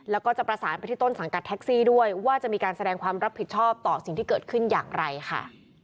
แล้วก็จะประสานไปที่ต้นสังกัดแท็กซี่ด้วยว่าจะมีการแสดงความรับผิดชอบต่อสิ่งที่เกิดขึ้นอย่างไรค่ะ